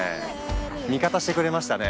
味方してくれましたね